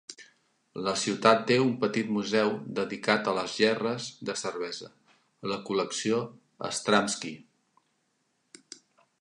La ciutat té un petit museu dedicat a les gerres de cervesa, la col·lecció Stramski.